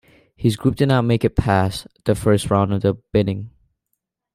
His group did not make it past the first round of the bidding.